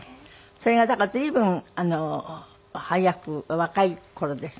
それがだから随分早く若い頃ですね。